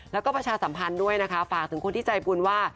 แล้วก็ประชาสัมพันธ์ด้วยนะคะฝากถึงคนที่ใจบุญว่า